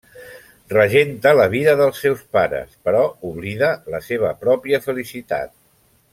Regenta la vida dels seus pares, però oblida la seva pròpia felicitat.